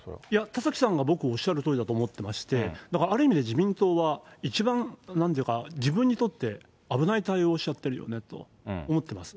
田崎さんが、僕、おっしゃるとおりだと思ってまして、ある意味で自民党は一番、なんていうか、自分にとって危ない対応しちゃってるよねって思ってます。